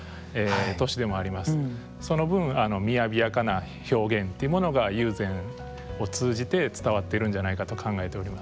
その分みやびやかな表現というものが友禅を通じて伝わっているんじゃないかと考えております。